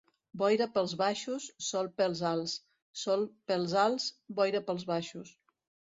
Boira pels baixos, sol pels alts; sol pels alts, boira pels baixos.